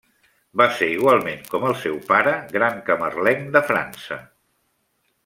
Va ser igualment, com el seu pare, gran camarlenc de França.